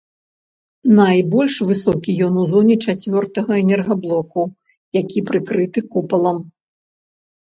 Найбольш высокі ён у зоне чацвёртага энергаблоку, які прыкрыты купалам.